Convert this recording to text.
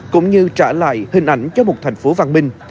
cũng như trả lại hình ảnh cho một thành phố văn minh